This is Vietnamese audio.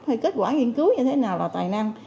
hay kết quả nghiên cứu như thế nào vào tài năng